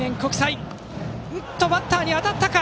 バッターに当たったか。